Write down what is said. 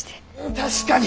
確かに。